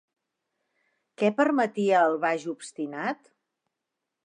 Què permetia el baix obstinat?